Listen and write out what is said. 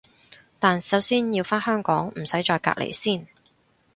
但首先要返香港唔使再隔離先